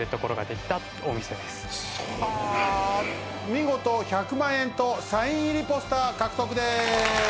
見事１００万円とサイン入りポスター獲得です。